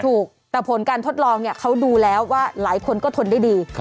ถูกแต่ผลการทดลองเนี่ยเขาดูแล้วว่าหลายคนก็ทนได้ดี